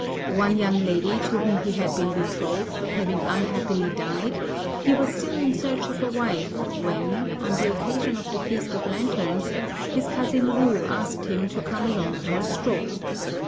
One young lady to whom he had been betrothed having unhappily died, he was still in search of a wife when, on the occasion of the Feast of Lanterns, his cousin Wu asked him to come along for a stroll.